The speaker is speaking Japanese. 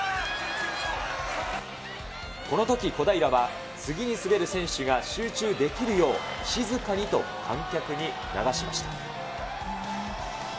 このとき、小平は次に滑る選手が、集中できるよう、静かにと観客に促しました。